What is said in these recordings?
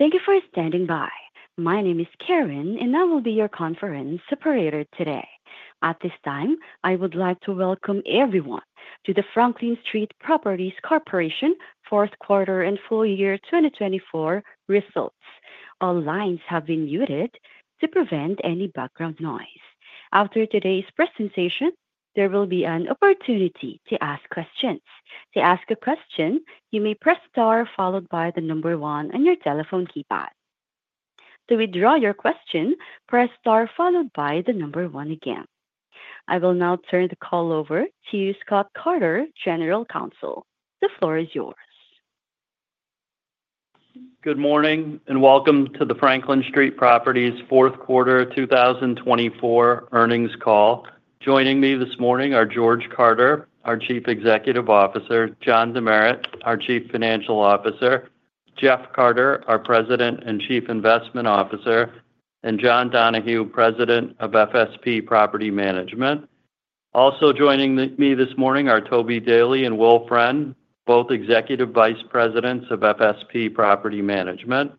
Thank you for standing by. My name is Karen, and I will be your conference operator today. At this time, I would like to welcome everyone to the Franklin Street Properties Fourth Quarter and Full Year 2024 results. All lines have been muted to prevent any background noise. After today's presentation, there will be an opportunity to ask questions. To ask a question, you may press star followed by the number one on your telephone keypad. To withdraw your question, press star followed by the number one again. I will now turn the call over to Scott Carter, General Counsel. The floor is yours. Good morning and welcome to the Franklin Street Properties Fourth Quarter 2024 earnings call. Joining me this morning are George Carter, our Chief Executive Officer; John Demeritt, our Chief Financial Officer; Jeff Carter, our President and Chief Investment Officer; and John Donahue, President of FSP Property Management. Also joining me this morning are Toby Daley and Will Friend, both Executive Vice Presidents of FSP Property Management.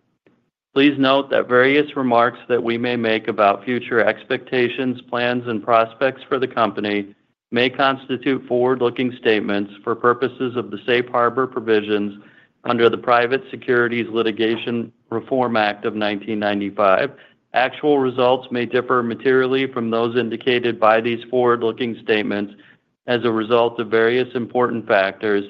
Please note that various remarks that we may make about future expectations, plans, and prospects for the company may constitute forward-looking statements for purposes of the safe harbor provisions under the Private Securities Litigation Reform Act of 1995. Actual results may differ materially from those indicated by these forward-looking statements as a result of various important factors,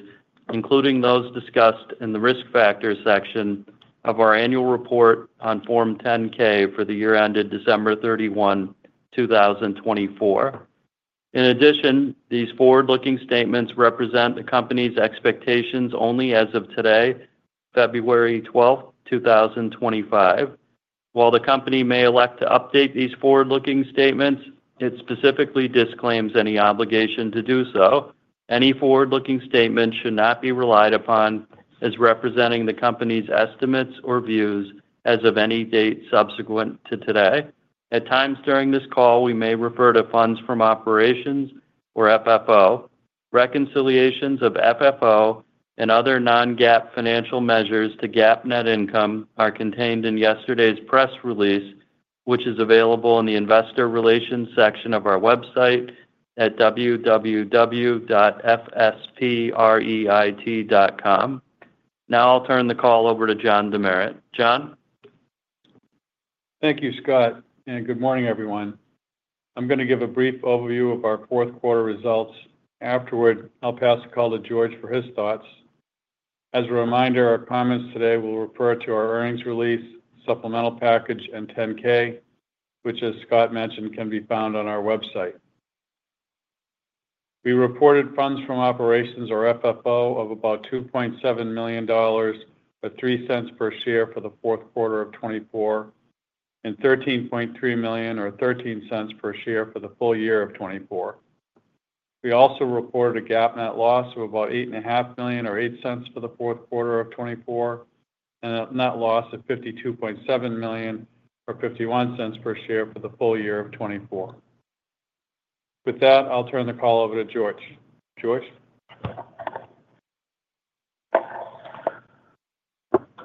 including those discussed in the risk factor section of our annual report on Form 10-K for the year ended December 31, 2024. In addition, these forward-looking statements represent the company's expectations only as of today, February 12, 2025. While the company may elect to update these forward-looking statements, it specifically disclaims any obligation to do so. Any forward-looking statement should not be relied upon as representing the company's estimates or views as of any date subsequent to today. At times during this call, we may refer to funds from operations or FFO. Reconciliations of FFO and other non-GAAP financial measures to GAAP net income are contained in yesterday's press release, which is available in the investor relations section of our website at www.fspreit.com. Now I'll turn the call over to John Demeritt. John? Thank you, Scott, and good morning, everyone. I'm going to give a brief overview of our fourth quarter results. Afterward, I'll pass the call to George for his thoughts. As a reminder, our comments today will refer to our earnings release, supplemental package, and 10-K, which, as Scott mentioned, can be found on our website. We reported funds from operations, or FFO, of about $2.7 million or $0.03 per share for the fourth quarter of 2024, and $13.3 million or $0.13 per share for the full year of 2024. We also reported a GAAP net loss of about $8.5 million or $0.08 for the fourth quarter of 2024, and a net loss of $52.7 million or $0.51 per share for the full year of 2024. With that, I'll turn the call over to George. George.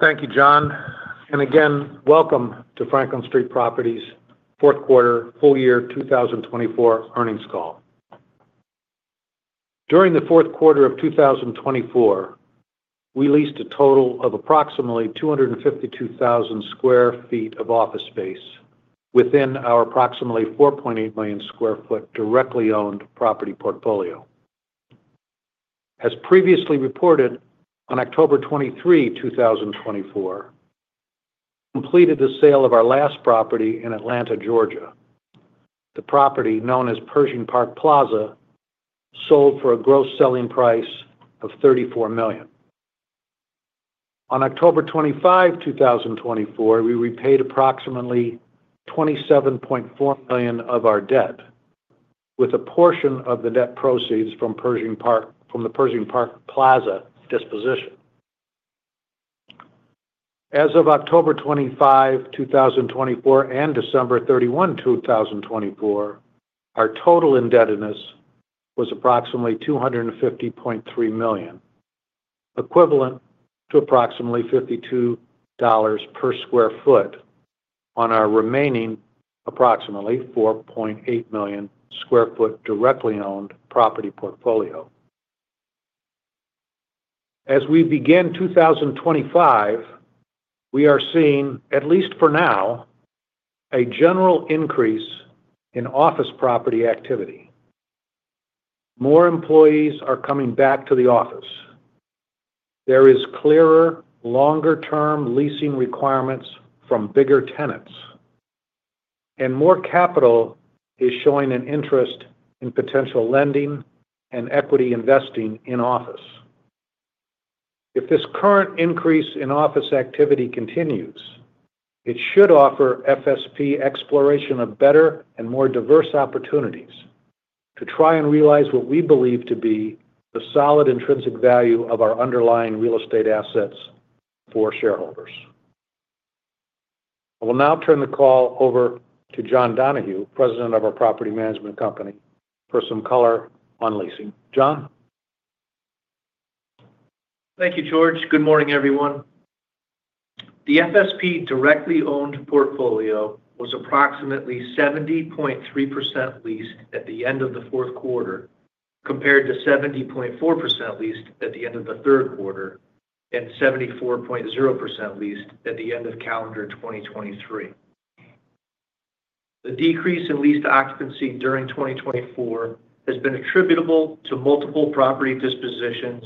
Thank you, John. Again, welcome to Franklin Street Properties Fourth Quarter Full Year 2024 earnings call. During the fourth quarter of 2024, we leased a total of approximately 252,000 sq ft of office space within our approximately 4.8 million sq ft directly owned property portfolio. As previously reported, on October 23, 2024, we completed the sale of our last property in Atlanta, Georgia. The property, known as Pershing Park Plaza, sold for a gross selling price of $34 million. On October 25, 2024, we repaid approximately $27.4 million of our debt, with a portion of the debt proceeds from the Pershing Park Plaza disposition. As of October 25, 2024, and December 31, 2024, our total indebtedness was approximately $250.3 million, equivalent to approximately $52 per square feet on our remaining approximately 4.8 million sq ft directly owned property portfolio. As we begin 2025, we are seeing, at least for now, a general increase in office property activity. More employees are coming back to the office. There are clearer, longer-term leasing requirements from bigger tenants, and more capital is showing an interest in potential lending and equity investing in office. If this current increase in office activity continues, it should offer FSP exploration of better and more diverse opportunities to try and realize what we believe to be the solid intrinsic value of our underlying real estate assets for shareholders. I will now turn the call over to John Donahue, President of our Property Management Company, for some color on leasing. John? Thank you, George. Good morning, everyone. The FSP directly owned portfolio was approximately 70.3% leased at the end of the fourth quarter, compared to 70.4% leased at the end of the third quarter and 74.0% leased at the end of calendar 2023. The decrease in leased occupancy during 2024 has been attributable to multiple property dispositions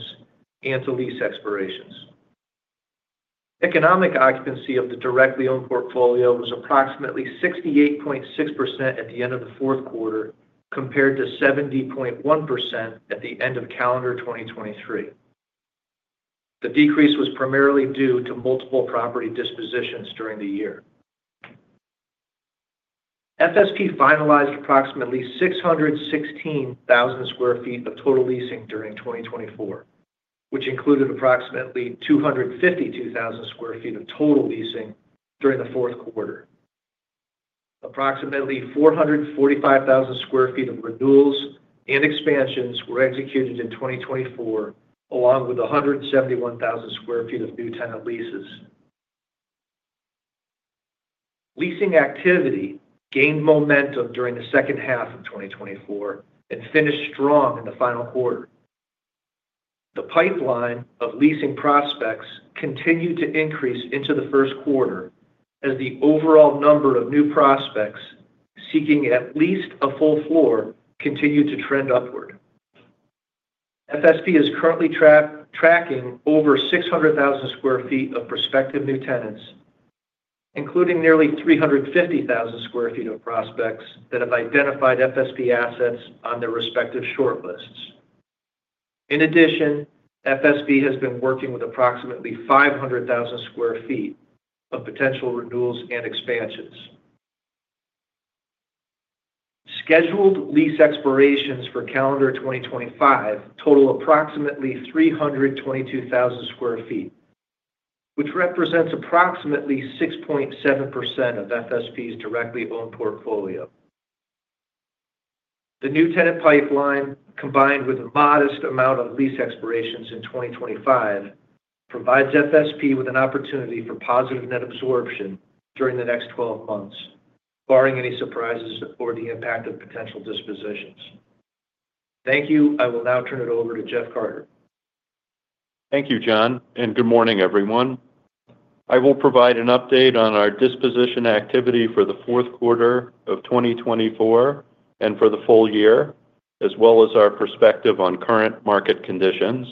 and to lease expirations. Economic occupancy of the directly owned portfolio was approximately 68.6% at the end of the fourth quarter, compared to 70.1% at the end of calendar 2023. The decrease was primarily due to multiple property dispositions during the year. FSP finalized approximately 616,000 sq ft of total leasing during 2024, which included approximately 252,000 sq ft of total leasing during the fourth quarter. Approximately 445,000 sq ft of renewals and expansions were executed in 2024, along with 171,000 sq ft of new tenant leases. Leasing activity gained momentum during the second half of 2024 and finished strong in the final quarter. The pipeline of leasing prospects continued to increase into the first quarter as the overall number of new prospects seeking at least a full floor continued to trend upward. FSP is currently tracking over 600,000 sq ft of prospective new tenants, including nearly 350,000 sq ft of prospects that have identified FSP assets on their respective short lists. In addition, FSP has been working with approximately 500,000 sq ft of potential renewals and expansions. Scheduled lease expirations for calendar 2025 total approximately 322,000 sq ft, which represents approximately 6.7% of FSP's directly owned portfolio. The new tenant pipeline, combined with a modest amount of lease expirations in 2025, provides FSP with an opportunity for positive net absorption during the next 12 months, barring any surprises or the impact of potential dispositions. Thank you. I will now turn it over to Jeff Carter. Thank you, John, and good morning, everyone. I will provide an update on our disposition activity for the fourth quarter of 2024 and for the full year, as well as our perspective on current market conditions.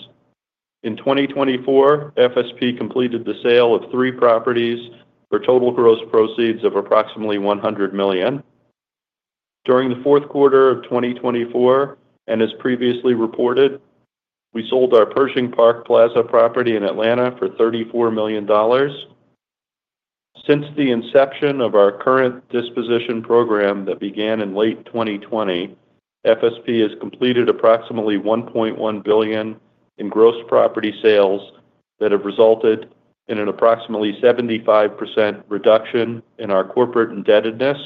In 2024, FSP completed the sale of three properties for total gross proceeds of approximately $100 million. During the fourth quarter of 2024, and as previously reported, we sold our Pershing Park Plaza property in Atlanta for $34 million. Since the inception of our current disposition program that began in late 2020, FSP has completed approximately $1.1 billion in gross property sales that have resulted in an approximately 75% reduction in our corporate indebtedness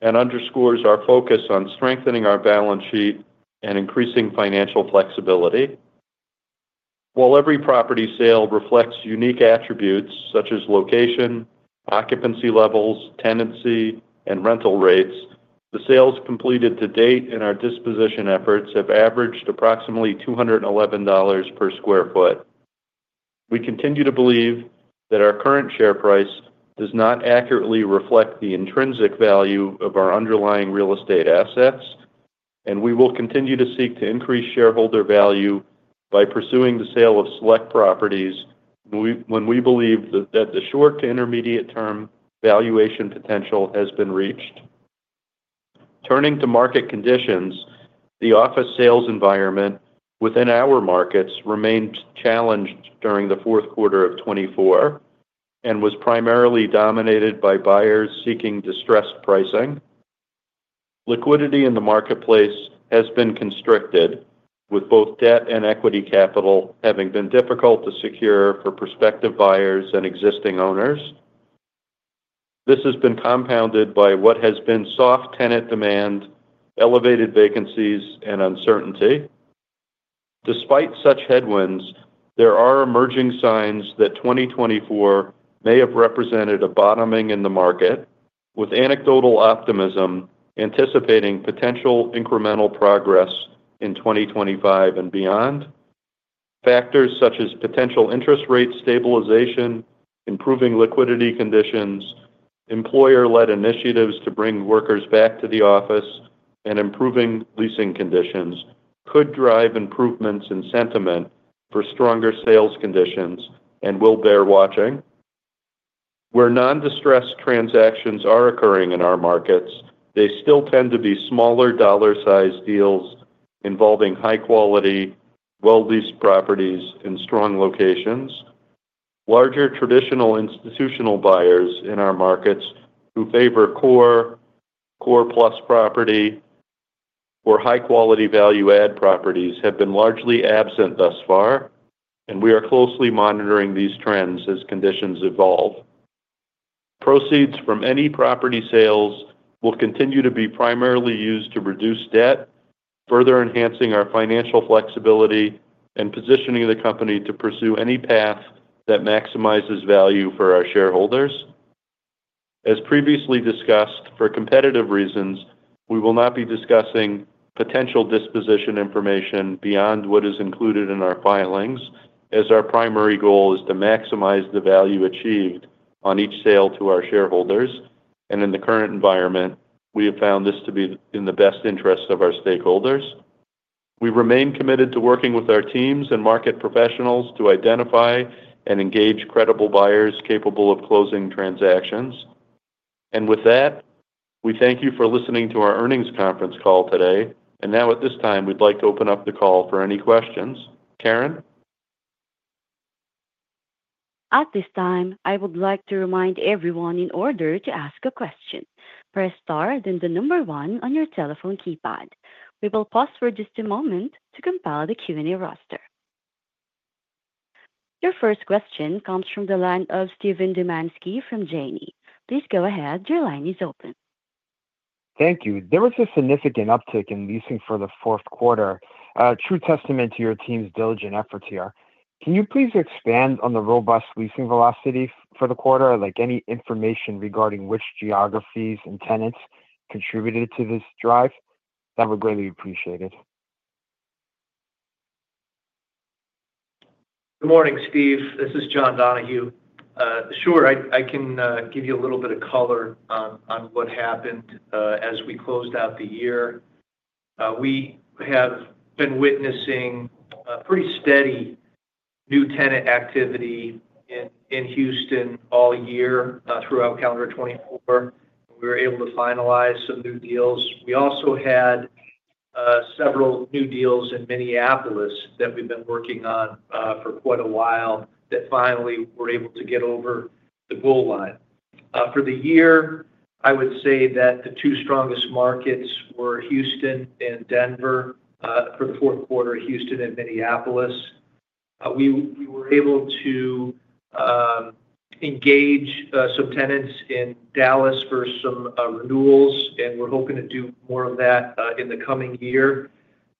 and underscores our focus on strengthening our balance sheet and increasing financial flexibility. While every property sale reflects unique attributes such as location, occupancy levels, tenancy, and rental rates, the sales completed to date in our disposition efforts have averaged approximately $211 per sq ft. We continue to believe that our current share price does not accurately reflect the intrinsic value of our underlying real estate assets, and we will continue to seek to increase shareholder value by pursuing the sale of select properties when we believe that the short to intermediate-term valuation potential has been reached. Turning to market conditions, the office sales environment within our markets remained challenged during the fourth quarter of 2024 and was primarily dominated by buyers seeking distressed pricing. Liquidity in the marketplace has been constricted, with both debt and equity capital having been difficult to secure for prospective buyers and existing owners. This has been compounded by what has been soft tenant demand, elevated vacancies, and uncertainty. Despite such headwinds, there are emerging signs that 2024 may have represented a bottoming in the market, with anecdotal optimism anticipating potential incremental progress in 2025 and beyond. Factors such as potential interest rate stabilization, improving liquidity conditions, employer-led initiatives to bring workers back to the office, and improving leasing conditions could drive improvements in sentiment for stronger sales conditions and will bear watching. Where non-distressed transactions are occurring in our markets, they still tend to be smaller dollar-sized deals involving high-quality, well-leased properties in strong locations. Larger traditional institutional buyers in our markets who favor core, core-plus property, or high-quality value-add properties have been largely absent thus far, and we are closely monitoring these trends as conditions evolve. Proceeds from any property sales will continue to be primarily used to reduce debt, further enhancing our financial flexibility and positioning the company to pursue any path that maximizes value for our shareholders. As previously discussed, for competitive reasons, we will not be discussing potential disposition information beyond what is included in our filings, as our primary goal is to maximize the value achieved on each sale to our shareholders. In the current environment, we have found this to be in the best interests of our stakeholders. We remain committed to working with our teams and market professionals to identify and engage credible buyers capable of closing transactions. We thank you for listening to our earnings conference call today. At this time, we'd like to open up the call for any questions. Karen? At this time, I would like to remind everyone in order to ask a question, press star then the number one on your telephone keypad. We will pause for just a moment to compile the Q&A roster. Your first question comes from the line of Steven Dumanski from Janney. Please go ahead. Your line is open. Thank you. There was a significant uptick in leasing for the fourth quarter, true testament to your team's diligent efforts here. Can you please expand on the robust leasing velocity for the quarter, like any information regarding which geographies and tenants contributed to this drive? That would greatly appreciate it. Good morning, Steve. This is John Donahue. Sure, I can give you a little bit of color on what happened as we closed out the year. We have been witnessing pretty steady new tenant activity in Houston all year throughout calendar 2024. We were able to finalize some new deals. We also had several new deals in Minneapolis that we've been working on for quite a while that finally were able to get over the goal line. For the year, I would say that the two strongest markets were Houston and Denver. For the fourth quarter, Houston and Minneapolis. We were able to engage some tenants in Dallas for some renewals, and we're hoping to do more of that in the coming year.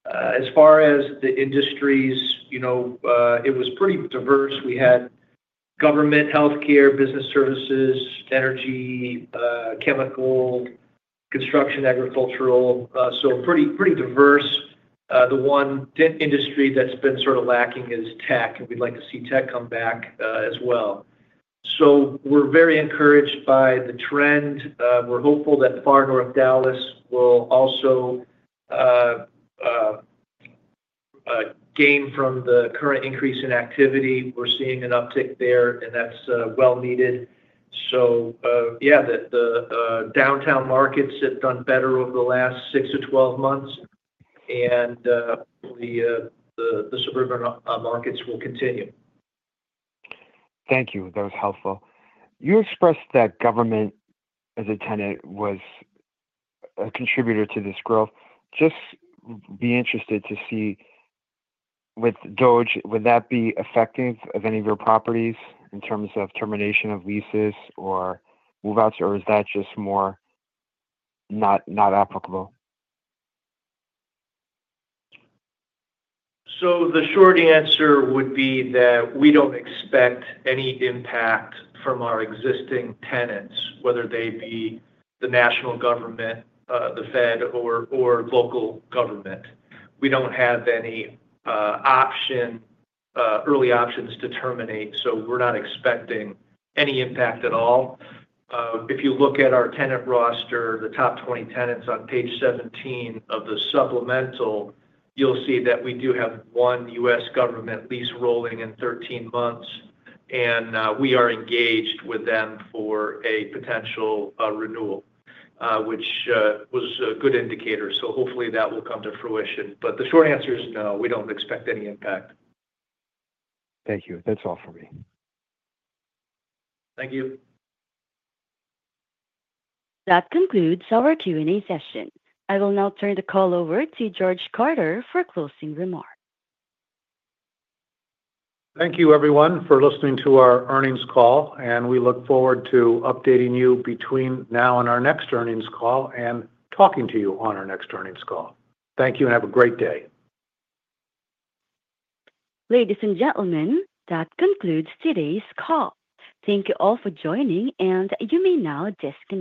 As far as the industries, it was pretty diverse. We had government, healthcare, business services, energy, chemical, construction, agricultural, so pretty diverse. The one industry that's been sort of lacking is tech, and we'd like to see tech come back as well. We're very encouraged by the trend. We're hopeful that Far North Dallas will also gain from the current increase in activity. We're seeing an uptick there, and that's well needed. Yeah, the downtown markets have done better over the last 6 to 12 months, and the suburban markets will continue. Thank you. That was helpful. You expressed that government as a tenant was a contributor to this growth. Just be interested to see with DOGE, would that be effective of any of your properties in terms of termination of leases or move-outs, or is that just more not applicable? The short answer would be that we don't expect any impact from our existing tenants, whether they be the national government, the Fed, or local government. We don't have any early options to terminate, so we're not expecting any impact at all. If you look at our tenant roster, the top 20 tenants on page 17 of the supplemental, you'll see that we do have one U.S. government lease rolling in 13 months, and we are engaged with them for a potential renewal, which was a good indicator. Hopefully that will come to fruition. The short answer is no, we don't expect any impact. Thank you. That's all for me. Thank you. That concludes our Q&A session. I will now turn the call over to George Carter for closing remarks. Thank you, everyone, for listening to our earnings call, and we look forward to updating you between now and our next earnings call and talking to you on our next earnings call. Thank you and have a great day. Ladies and gentlemen, that concludes today's call. Thank you all for joining, and you may now disconnect.